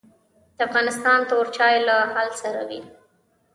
د افغانستان تور چای له هل سره وي